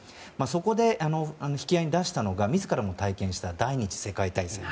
そこで、引き合いに出したのが自らも体験した第２次世界大戦。